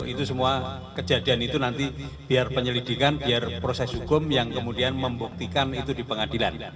itu semua kejadian itu nanti biar penyelidikan biar proses hukum yang kemudian membuktikan itu di pengadilan